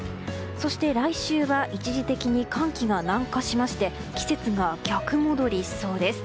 そして来週は一時的に寒気が南下しまして季節が逆戻りしそうです。